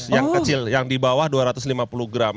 yang kecil yang di bawah dua ratus lima puluh gram